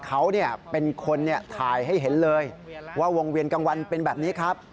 เขาเป็นคนถ่ายให้เห็นเลยว่าวงเวียนกลางวันเป็นแบบนี้ครับ